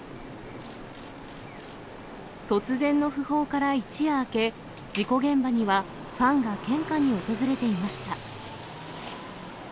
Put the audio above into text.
突然の訃報から一夜明け、事故現場にはファンが献花に訪れていました。